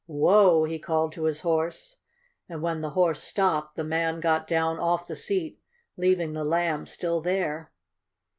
"Whoa!" he called to his horse, and when the horse stopped the man got down off the seat, leaving the Lamb still there.